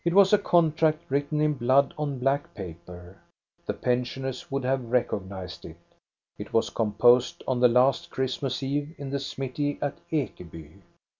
It was a contract written in blood on black paper. The pensioners would have recognized it. It was composed on the last Christmas Eve in the smithy at Ekeby.